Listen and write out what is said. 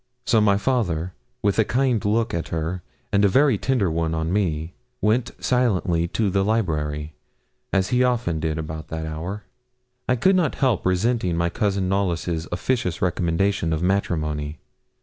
So my father, with a kind look at her, and a very tender one on me, went silently to the library, as he often did about that hour. I could not help resenting my Cousin Knollys' officious recommendation of matrimony.